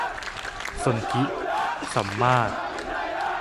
สนธิ สมมาตร